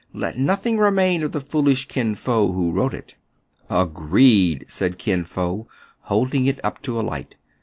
Let nothing remain of the foolish Kin Fo who wrote it." " Agreed," said Kin Fo, holding it up to a light.